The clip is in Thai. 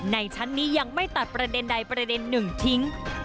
ชั้นนี้ยังไม่ตัดประเด็นใดประเด็นหนึ่งทิ้ง